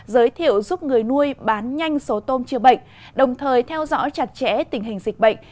giới thiệu giúp người nuôi bán nhanh số tôm chữa bệnh đồng thời theo dõi chặt chẽ tình hình dịch bệnh